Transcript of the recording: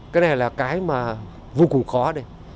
cái này là cái mà vô cùng khó đấy